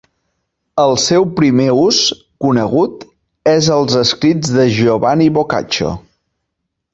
El seu primer ús conegut és als escrits de Giovanni Boccaccio.